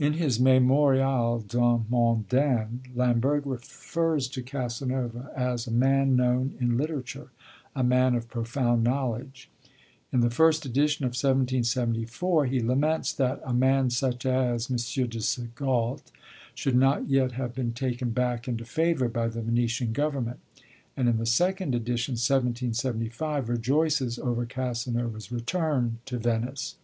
In his Mémorial d'un Mondain Lamberg refers to Casanova as 'a man known in literature, a man of profound knowledge.' In the first edition of 1774, he laments that 'a man such as M. de S. Galt' should not yet have been taken back into favour by the Venetian government, and in the second edition, 1775, rejoices over Casanova's return to Venice.